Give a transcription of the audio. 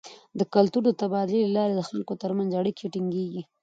د کلتور د تبادلې له لارې د خلکو تر منځ اړیکې ټینګیږي.